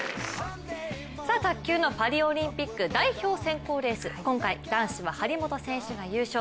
卓球のパリオリンピック代表選考レース、今回、男子は張本選手が優勝。